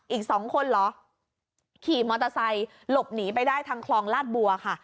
อีกสองคนเหรอขี่มอเตอร์ไซค์หลบหนีไปได้ทางคลองลาดบัวค่ะ